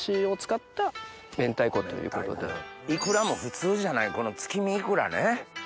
いくらも普通じゃないこのつきみいくらね。